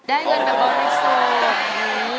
ได้เงินอย่างบริสุทธิ์